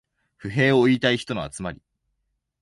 不平を言いたい人の集まり